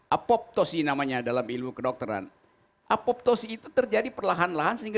apoptosi namanya dalam ilmu kedokteran apoptosi itu terjadi perlahan lahan sehingga